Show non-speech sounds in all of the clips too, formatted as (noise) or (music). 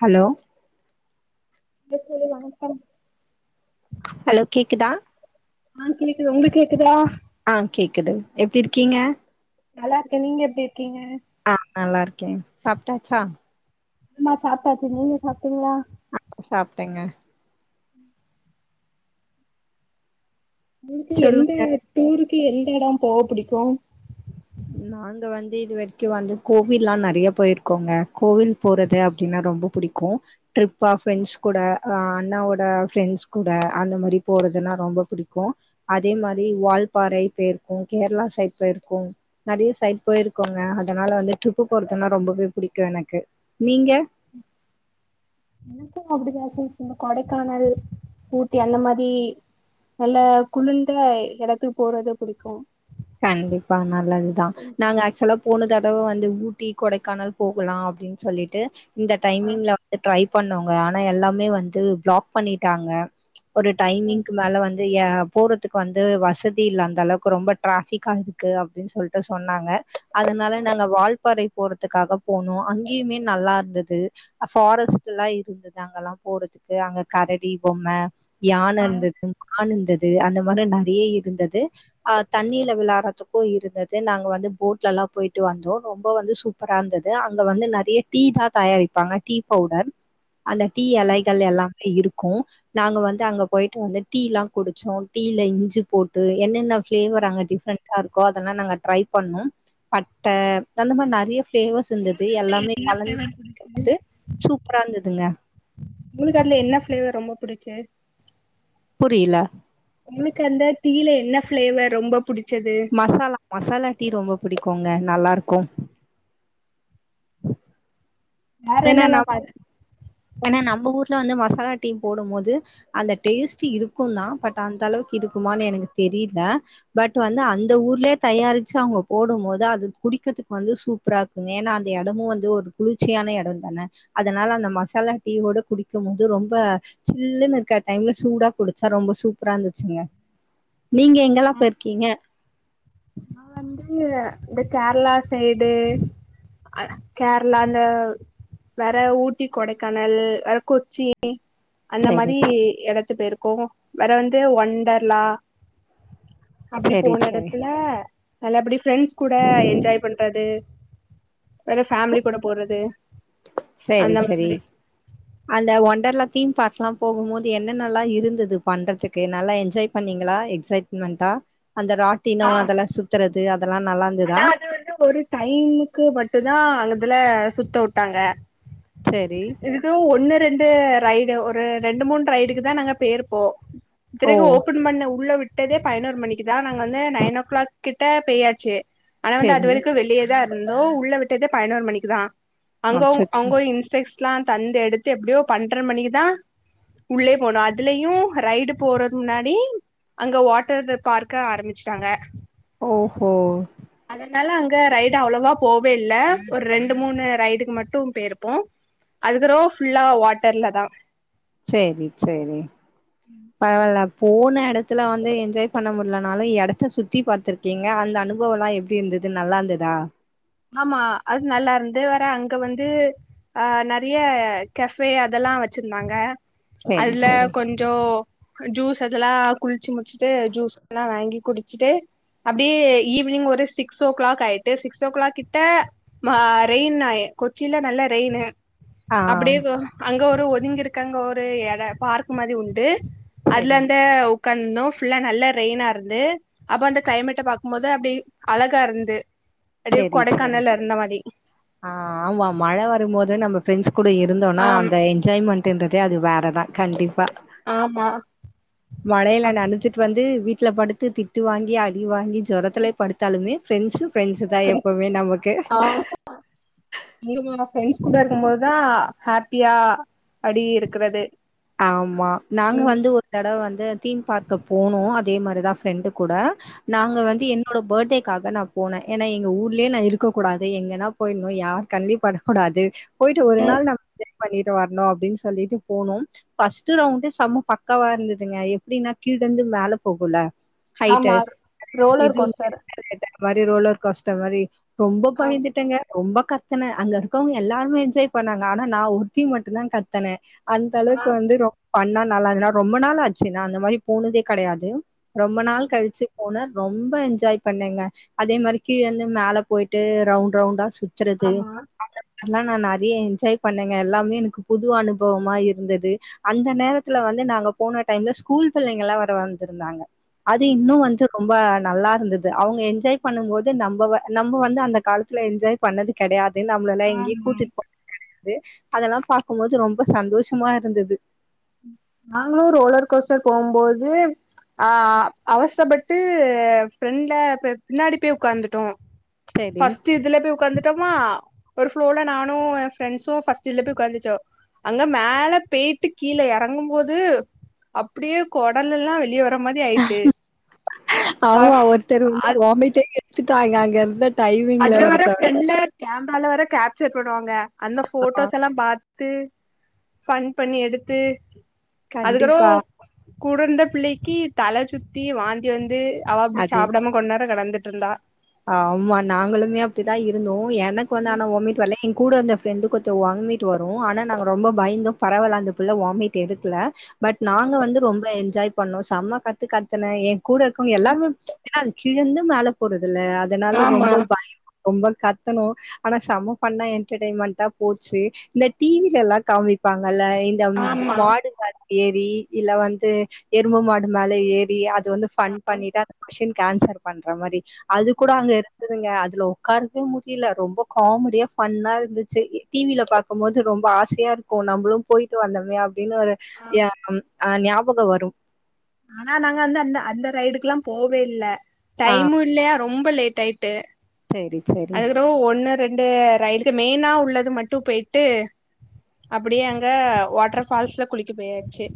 Hello hey தோழி வணக்கம் hello கேக்குதா ஆ கேக்குது உங்களுக் கேக்குதா அ கேக்குது எப்டி இருக்கீங்க நல்லார்க்கெ நீங்க எப்படி இர்க்கீங்க அ நல்லார்க்கே சாப்டாச்சா அம்மா சாப்டாச்சு நீங்க சாப்ட்டீங்ளா அ சாப்டெங்க ஊங்குக்கு எந்த சொல்லுங்க டூருக்கு எந்த எடம்போ புடிக்கு நானு இங்க வந்து இது வர்க்கு வந்து கோவில்லா நெறைய பொயிருக்கோங்க கோவில் போறது அப்டின்னா ரொம்பொ புடிக்கு டிரிப்பா ஃபிரண்ஸ் குட அ அண்ணாவோட ஃப்ரெண்ட்ஸ் கூட அந்த மாரி போறதுன்னா ரொம்ப பிடிக்கு அதே மாரி வால்பாறை பெயிர்க்கோ கேர்ளா சைட் பெயிர்க்கோ நறைய சைட் பொயிருக்கோங்க அதனால வந்து ட்ரிப்பு போறதுன்னா ரொம்பவே புடிக்கு எனக்கு நீங்க எனக்கு அப்டிதா சிஸ் இந்த கொடைக்கானல் ஊட்டி அந்த மாரி நல்ல குளுந்த எடத்துக்கு போரது புடிக்கு கண்டிப்பா நல்லதுதா நாங்க ஆக்சுலா போன தடவ வந்து ஊட்டி கொடைக்கானல் போகுல்லா அப்டின் சொல்லிட்டு இந்த ஆ டைமிங்ல வந்து ட்ரை பண்ணோங்க ஆனா எல்லாமே வந்து ப்ளாக் பண்ணிட்டாங்க ஒரு ம் டைமிங்க்கு மேல வந்து எ போறத்துக்கு வந்து வசதி இல்ல அந்த அளவுக்கு ரொம்ப டிராஃபிக்கா இருக்கு அப்டின் சொல்ட்டு சொன்னாங்க அதுனால நாங்க வால் பாறை போறதுக்காக போனோ அங்கியுமே நல்லார்ந்துது ஃபாரஸ்ட்ல்லா இருந்துது அங்கல்லாபோறதுக்கு அங்க கரடி பொம்ம யான ஆ இருந்துது மான் இருந்துது அந்த மாரி நெறைய இருந்துது தண்ணில விளாடுறதுக்கு இருந்துது நாங்க வந்து போட்ல எல்லா போய்ட்டு வந்தோ ரொம்ப வந்து சூ ப்பராருந்துது அங்க வந்து நெறைய டீ தா தயாரிப்பாங்க டீ பவுடர் அந்த டீ எலைகள் எல்லாமே இருக்கு நாங்க வந்து அங்க போயிட்டு வந்து டீல்லா குடிச்சோ டீல இஞ்சி போட்டு என்னென்ன ஃபிளேவர் அங்க டிஃப்ரெண்டா இருக்கோ அதெல்லா நாங்க ட்ரை பண்ணோ பட்ட அந்த மாரி நெறைய ஃப்ளேவர்ஸ் இருந்துது எல்லாமே கலந்து குடிக்கறதுக்கு சூப்பரா இருந்துதுங்க உங்ளுக்கதுல என்ன ஃபிளேவர் ரொம்ப புடிக்கு புரில உங்களுக்கு அந்த டீ ல என்ன ஃப்ளேவர் ரொம்ப புடிச்சது மசாலா மசாலா டீ ரொம்ப பிடிக்குங்க நல்லாருக்கு வேற என்னெல்லா பா ஏனா நம்ம ஊர்ல வந்து மசாலா டீ போடும் போது அந்த டேஸ்ட் இருக்குந்தா பட் அந்த அளவுக்கு இருக்குமானு எனக்கு தெரில பட் வந்து அந்த ஊர்லயே தயாரிச்சு அவங்க போடும் போது அது குடிக்கிறதுக்கு வந்து சூ ப்பரா இருக்குங்க ஏன்னா அந்த எடமு வந்து ஒரு குளிர்ச்சியான எடந்தான அதனால அந்த மசா லா டீ யோட குடிக்கும் போது ரொம்ப சில்லுன்னு இருக்க டைம்ல சூடா குடிச்சா ரொம்ப சூப்பரா இருந்துச்சுங்க நீங்க எங்கெலா போயிருக்கிங்க நா வந்து இந்த கேரளா சைடு அ கேரளா அந்த வேற ஊட்டி கொடைக்கானல் வேற கொச்சின் அந்த சரி மாரி எடத்து போயிருக்கோ வேற வந்து ஒண்டர்லா அப்படி சரி போன சரி எடத்துல நல்லபடி ஃப்ரெண்ட்ஸ் கூட என்ஜாய் பண்றது வேற ஃபேமிலி கூட போறது சரி அந்த செரி மாதிரி அந்த ஒண்டர்லா தீம் பார்க்லா போகும் போது என்னனெல்லா இருந்துது பண்றதுக்கு நல்லா என்ஜாய் பண்ணிங்களா எக்சைட்மென்ட்டா அந்த ராட்டினோ ஆ அதெல்லா சுத்துறது அதெல்லா நல்லா இருந்ததா ஆனா அது வந்து ஒரு டைமுக்கு மட்டுந்தா அங்கதுல சுத்த வுட்டாங்க செரி ஒன்னு ரெண்டு ரைடு ஒரு ரெண்டு மூணு ரைடுக்குதா நாங்க பேருப்போ ஓ பிறகு ஓபன் பண்ண உள்ள விட்டதே பயினோரு மணிக்குதா நாங்க வந்து நைன் ஓ கிளாக் கிட்ட பேயாச்சு ஆனா வந்து அது சேரி வரைக்கு வெளியதா இருந்தோ உள்ள விட்டதே பதினோரு மணிக்குதா அங்க அச்சச்சோ அங்கோ இன்ஸ்ட்ரக் ஷன்லா தந்து எடுத்து எப்டியோ பன்ட்ர மணிக்குதா உள்ளே போனோ அதுலயு ரைடு போறது முன்னாடி அங்க வாட்டர் பார்க்க ஆரம்பிச்சுட்டாங்க ஓஹோ அதனால அங்க ரைடு அவ்வளவா போவே இல்ல ஒரு ரெண்டு மூணு ரைடுக்கு மட்டு பேயிருப்போ அதுக்கறோ ஃபுல்லா வாட்டர்லதா செரி செரி பரவால்ல போன எடத்துல வந்து என்ஜாய் பண்ண முடிலனாலு எடத்த சுத்தி பாத்திரு கிங்க அந்த அனுபவல்லா எப்டி இருந்தது நல்லாந்துதா ஆமா அது நல்லாருந்து வேற அங்க வந்து அ நெறைய கஃபே அதெல்லா வச்சிருந்தாங்க சேரி அதுல சேரி கொஞ் சோ ஜூஸ் அதெல்லா குளிச்சு முடிச்சுட்டு ஜூஸ் எல்லா வாங்கி குடிச்சுட்டு அப்டே ஈவினிங் ஒரு சிக்ஸ் ஓ கிளாக் ஆயிட்டு சிக்ஸ் ஓ கிளாக் கிட்ட மா ரெயின் ஆயி கொச்சில்ல நல்லா ரெயினு ஆ அப்டியே கொ அங்க ஒரு ஒதுங்கிருக்காங்க ஒரு எட பார்க் மாதி உண்டு அதுல சேரி அந்த ஒ ஒக்காந்துந்தோ ஃபுல்லா நல்லா ரெயினா இருந்து அப்போ அந்த ஃகிளைமேட்ட பாக்கும் போது அப்டி அழகா இருந்து அப்டியே சேரி சேரி கொடைக்கானல்ல இருந்த மாரி ஆ ஆமா மழ வரும்போது நம்ம ஃப்ரெண்ட்ஸ் கூட இருந்தோன்னா ஆம் அந்த என்ஜாய்மண்ட்ன்றதே அது வேற தா கண்டிப்பா ஆமா மழைல நனச்சுட் வந்து வீட்ல படுத்து திட்டு வாங்கி அடி வாங்கி ஜொரத்துலே படு த்தாலுமே ஃப்ரெண்ட்ஸு ஃப்ரெண்ட்ஸு தா எப்பொமே நமக்கு இங்க ஊ வா ஃப்ரெண்ட்ஸ் கூட இருக்கம் போது தா ஹேப்பியா அப்டி இருக்குறது ஆமா நாங்க வந்து ஒரு தடவ வந்து தீம் பார்க்குக் போனோ அதே மாரிதா ஃப்ரெண்டு கூட நாங்க ம் வந்து என்னோட பேர்த்டேக்காக நா போனே எனா எங்க ஊர்லேயே நா இருக்க கூடாது எங்கன்னா போயிர்னு யார் கண்லயு பட கூடாது போய்ட்டு ஒரு நாள் நம்ம பண்ணிட்டு வர்ணு அப்டின் சொல்லிட்டு போனோ ஃபஸ்ட் ரவுண்டே சம பக்காவா இருந்துதுங்க எப்டின்னா கீழயிருந்து மேல போகுல்ல ஹய்ட்டு ஆமா ரோலர் இது கோஸ்டர் மாரி ரோலர் கோஸ்டர் மாரி ரொம்ப ஆ பயந்துட்டங்க ரொம்ப கத்துனே அங்க இருக்கவங்க எல்லாருமே என்ஜாய் பண்ணாங்க ஆனா நா ஒருத்தி மட்டுந்தான் கத்தன அந்த ஆ அளவுக்கு வந்து ரொம் ஃபன்னா நல்லா நா ரொம்ப நாள் ஆச்சு நா அந்த மாரி போனதே கடையாது ரொம்ப நாள் கழுச்சு போன ரொம்ப என்ஜாய் பண்ணேங்க அதே மாரி கீழயிருந்து மேல போய்ட்டு ரவுண்ட் ரவுண்டா சு ச்சறது ஆமா அதெல்லா நா நறையா என்ஜாய் பண்ணேங்க எல்லாமே எனக்கு புது அனுபொவமா இருந்துது அந்த நேரத்துல வந்து நாங்க போன டைம்ல ஸ்கூல் புள்ளெங்க எல்லா வேற வந்திருந்தாங்க அது இன்னு வந்து ரொம்ப நல்லா இருந்துது அவங்க என்ஜாய் பண்ணும்போது நம்ப வ நம்ப வந்து அந்த காலத்துல என்ஜாய் பண்ணது கெடையாது நம்ளல்லா எங்க்ய கூட்டுட்டு போ அதெல்லா பாக்கும்போது ரொம்ப சந்தோஷமா இருந்துது நாங்களு ரோலர் கோஸ்டர் போம்போது ஆ அவசரப்பட்டு ஃப்ரெண்ட்ட பின்னாடி போய் உக்காந்துட்டோ சரி. பஃஸ்ட் இதுல போய் உட்காந்துடோமா ஒரு ஃப்ளோல நானு ஏ ஃரெண்ட்ஸும் ஃபஸ்ட் இத்ல போய் உட்காந்துட்டோ அங்க மேல பேய்ட்டு கீழ இறங்கும் போது அப்டியே கொடல் எல்லா வெளிய வ அ ஔமா ஒருத்தர் வந்து அ வாமிட்டே எடுத்துட்டுடாய்க அங்க இருந்த அத டைமிங்ல வேற ஒருத்தர். ஃப்ரெண்ட கேமரால வேற கேப்சர் பண்ணுவாங்க அந்த ஆ போட்டோஸ் எல்லா பா த்து ஃபன் பண்ணி எடுத்து அதுக்கறோ கண்டிப்பா. கூட வந்த புள்ளைக்கு தல சுத்தி வாந்தி வந்து அவ அப்டி அது சாப்படாம கொண்நேரோ நடந்துட்டு இருந்தா ஆமா நாங்களுமே அப்டிதா இருந்தோ எனக்கு வந்து ஆனா வாமிட் வர்ல எங் கூட இருந்த ஃப்ரெண்டுக்கு கொண்டொ வாமிட் வரு ஆனா நாங்க ரொம்ப பயந்தோ பரவால்ல அந்த புள்ள வாமிட் எடுக்கல பட் நாங்க வந்து ரொம்ப என்ஜாய் பண்ணோ செம கத்து கத்துன ஏ கூட இருக்கவ்ங்க எல்லாரு என்ன கீழ இருந்து மேல போறது இல்ல அதனால ஆமா ரொம்ப பயோ ரொம்ப கத்துணோ ஆனா செம ஃபன்னா என்டர்டெயின்மண்ட்டா போச்சு இந்த டி வி ல எல்லா காமிப்பாங்கல்ல தம் ஆமா மாடு மேல ஏறி இல்ல வந்து எரும மாடு மேல ஏறி அ து வந்து ஃபன் பண்ணி தா அந்த க்வோஷ்டீன்க்கு ஆன்சர் பண்ற மாரி அது கூட அங்க இருந்துதுங்க அதுல ஒ க்காரவே முடில ரொம்ப காமெடியா ஃபன்னா இருந்துச்சு டி வி ல பாக்கும் போது ரொம்ப ஆசையா இருக்கு நம்பளு போயிட்டு வந்தோமே அப்டின்னு ஒரு ஆ ய ஆ ஞாபகம் வரும் ஆனா நாங்க வந்து அந்த அந்த ரைடுக்கு எல்லா போகவே இல்ல ஆ டைமு இல்லையா ரொம்ப லேட் ஆயிட்டு சரி சரி அதுக்கப்றோ ஒன்னு ரெண்டு ரைடுக்கு மெய்னா உள்ளது மட்டு போயிட்டு அப்டியே அங்க வாட்டர் ஃபால்ஸ்ல குளிக்க போயாச்சி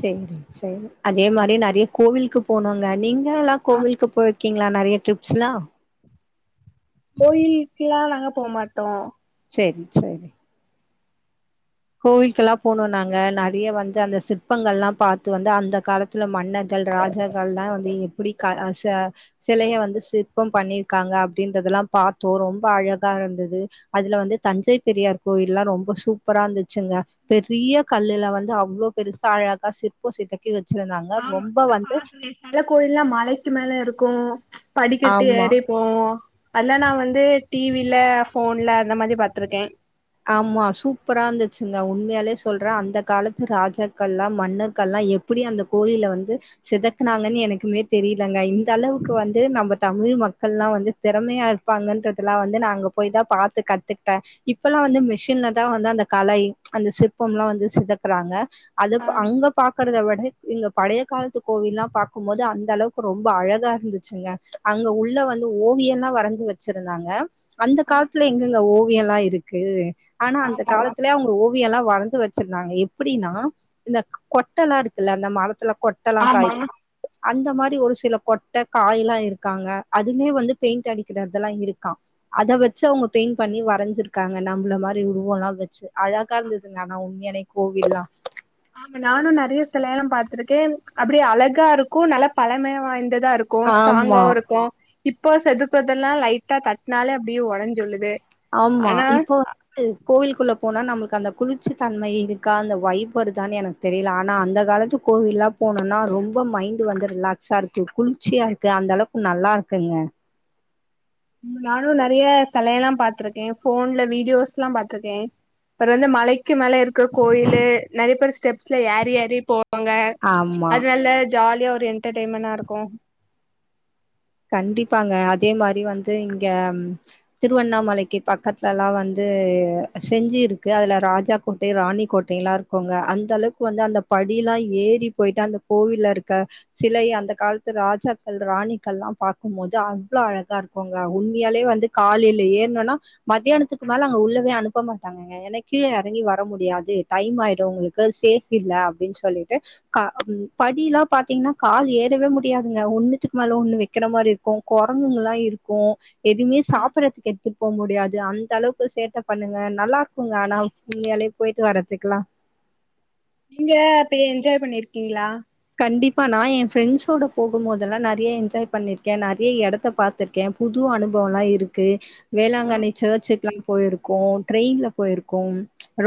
செரி செரி அதே மாரி நெறைய கோவிலுக்கு போனாங்க நீங்க எல்லா கோவிலுக்கு போய் க்கிங்ளா நறைய டிரிப்ஸ்லா கோயிலுக்லா நாங்க போ மாட்டோ சேரி சேரி கோவில்கெல்லா போனோ நாங்க நெறைய வந்து அந்த சிற்பங்கள்லா பாத் வந்து அந்த காலத்துல மன்னர்கள் ராஜாக்கள்லா வந்து எப்டி சிலைய வந்து சிற்பம் பண்ணிருக்காங்க அப்டின்றதெல்லா பாத்தோ ரொம்ப அழகா இருந்தது அதுல வந்து தஞ்சை பெரியார் கோயில்லா ரொம்ப சூப்பரா இருந்த ச்சிங்க பெரிய கல்லுல வந்து அவ்ளோ பெருசா அழகா சிற் ற்போ செதுக்கி வஎச்சிருந்தாங்க ரொம்ப வந்து மல கோயில்லா மலைக்கு மேல இருக்கு படிக்கட்டு ஆமா ஏறி போ அதல்லா நா வந்து டி வி ல. போன்ல அந்த மாரி பாத்துருக்கே ஆமா சூப்பரா இருந்துச்சிங்க உண்மையாலே சொல்றே அந்த காலத்து ராஜாக்கள்லா மன்னர்கள்லா அப்டி அந்த கோவில்ல வந்து சிதக்குனாங்கன்னு எனக்குமே தெரிலங்க இந்த அளவுக்கு வந்து நம்ம தமிழ் மக்கள்லா வந்து திறமையா இருப்பாங்கன்றதெல்லா வந்து நா அங்க போய்தா பாத்து கத்துக்கிட்டே இப்பல்லா வந்து மிஷின்லதா வந்து அந்த கலை அந்த சிற்பம் எல்லா வந்து சிதக்குறாங்க அதுப் ஆ அங்க பா பாக்கறத விட இங்க பழைய காலத்து கோவில்லா பாக்கு போது அந்த அளவுக்கு ரொம்ப அழகா இருந்துச்சிங்க அங்க உள்ள வந்து ஓவியம்லா வரைஞ்சி வெச்சிருந்தாங்க அந்த காலத்துல எங்கங்க ஓவியோல்லா இருக் க்கு ஆனா அந்த காலத்துல அவுங்க ஒவி ல்லா வரஞ்சி வெச்சிருந்தாங்க எப்டினா இந்த கொட்டல்லா இருக்குல்ல அந்த மரத்துல கொ கொட்டல்ஙலா காய் அந்த மாரி ஒரு சில கொட்ட காய்லா இருக்காங்க அதுமே வந்து பெயிண்ட் அடிக்கிறதெல்லா இருக்கா அத வெச்சி அவுங்க பெயிண்ட் பண்ணி வரைஞ்சிரு இருக்காங்க நம்மள மாரி உருவம்லா வெச்சி அழகா இருந்ததுங்க ஆனா உண்மையாலே கோவில்லா ஆமா நானு நெறைய செல எல்லா பாத்துருக்கேன் அப்டி அழகா இருக்கு நல்லா பழமை வாய்ந்ததா இருக் க்கு ஆமா ஸ்ட்ராங்காவு இருக்கு இப்போ செதுப்பதெல்லா லைட்டா தட்டனாலே அப்டியே ஒடஞ்சி உலுது ஆமா இப்போ க்கு கோவில் குள்ள போனா நம்மளுக்கு அந்த குளிர்ச்சி தன்மை இருக்கா அந்த வைபர் தா எனக் தெரில ஆனா அந்த காலத்து கோவில்லா போனோம்னா ரொம்ப மைண்ட் வந்து ரிலாக்ஸா இருக்கு குளிர்ச்சியா இருக்கு அந்த அளவு க்கு நல்லா இருக்குங்க நானு நெறைய கலை எல்லா பாத்திருக்கே ஃபோன்ல வீடியோஸ் எல்லா பாத்துருக்கே அப்றோ வந்து மலைக்கு மேல இருக்கற கோயிலு நெறைய பேர் ஸ்டெப்ஸ்ல ஏறி ஏறி போவாங்க ஆமா அதெல்லா ஜாலியா ஒரு என்டர்டைன்மென்னா இருக்கு கண்டிப்பாங்க அதே மாரி வந்து இங்க திருவண்ணாமலைக்கு பக்கத்துலலா வந்து செஞ்சி இருக்கு அதுல ராஜா கோட்டை ராணிக்கோட்டைலா இருக் இருக்குங்க அந்த அளவுக்கு வந்து அந்த படில்லா ஏறி பொயிட்டு அந்த கோவில்ல இருக்க சிலை அந்த காலத்து ராஜாக்கள் ராணிகள்லா பாக்கும்போது அவ்ளோ அழகா இருக்குங்க உண்மையாலே வந்து காலையில ஏற்னோம்னா மத்தியானத்துக்கு மேல அங்க உள்ளவே அனுப்ப மாட்டாங்க க எனக் கீழ இறங்கி வர முடியாது டைம் ஆய்டு உங்ளுக்கு சேஃப் இல்ல அப்டினு சொல்லிட்டு க படியெலா பாத்தீங்கனா கால் ஏறவே முடியாதுங்க ஒண்ணுத்துக்கு மேல ஒண்ணு வை வெக்கிற மாரி இருக்கு கொரங்குங்கலா இருக்கு எதுமே சாப்பறதுக்கு எடுத்துட் போ முடியாது அந்த அளவுக்கு சேட்ட பண்ணுங்க நல்லா இருக்குங்க ஆனா உண்மயாலெ போய்ட்டு வரத்துக்கலா நீங்க அப்ப என்ஜாய் பண்ணிருக்கீங்களா கண்டிப்பா நா ஏ ஃப்ரெண்ட்ஸோட போகும் போதெல்லா நெறைய என்ஜாய் பண்ணிருக்கே நெறைய எடத்த பாத் திருக்கே புது அனுபவல்லா இருக்கு ஆ வேளாங்கண்ணி சர்ச்சுக்லா போயிருக்கோ ட்ரெயின்ல போயிருக்கோ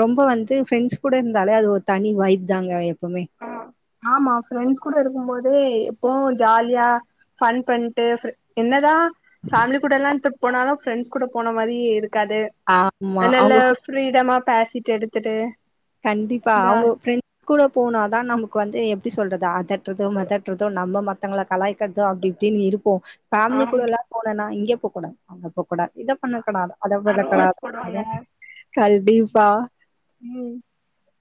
ரொம்ப வந்து ஃப்ரெண்ட்ஸ் கூட இருந்தாலே அது ஒரு தனி வாய்ப்பு தாங்க எப்போமே ஆமா ஃப்ரெண்ட்ஸ் கூட இருக்கும் போதே எப்போ ஒர் ஜாலியா ஃபன் பண்ட்டு என்ன தா ஃபேமிலி கூட எல்லா ட்ரிப் போனாலு ஃப்ரெண்ட்ஸ் கூட போன மாரி இருக்காது ஆமா அதனால அவங்க ப்ரீடமா பேசிட்டு எடுத்துட்டு கண்டிப்பா இந்தா அவுங்க ப்ரெண்ட்ஸ் கூட போனாதா நமக்கு வந்து எப்டி சொல்றது அதட்றது மதட்றது நம்ம மத்தவங்கள கலாயி க்கறது அப்டி இப்டினு இருப்போ ஃபமிலி கூட எல்லா போனனா இங்கே போகூடாது அங்கே போகூடாது இத பண்ணக்கூடாது அத பண்ணக்கூடாது கண்டீப்பா ம்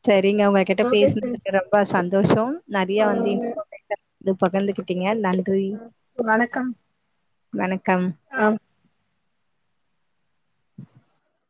சரிங்க உங்ககிட்ட ஓகே ஃப்ரெண்ட்ஸ் பேசுனதுக்கு ரொம்ப சந்தோஷம் நெறைய ஆ வந்து இன்பர்மேஷன் இது பகிர்ந்துகிட்டீங்க நன்றி வணக்கம் வணக்கம் ஆ (inaudible)